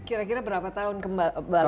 kira kira berapa tahun kembali ke